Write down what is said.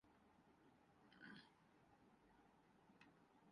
تمہاری دوستی مجھ پر بوجھ ہے